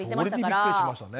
それでびっくりしましたね。